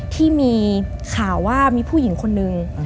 ที่มีข่าวว่ามีผู้หญิงคนนึง